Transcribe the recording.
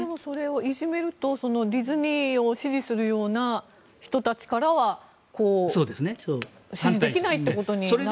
いじめるとディズニーを支持するような人たちからは支持できないということになりますよね。